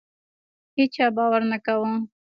هیچا باور نه کاوه.